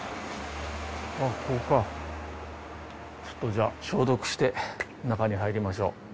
ちょっとじゃあ消毒して中に入りましょう。